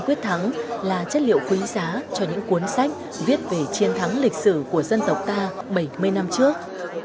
quyết thắng là chất liệu quý giá cho những cuốn sách viết về chiến thắng lịch sử của dân tộc ta bảy mươi năm trước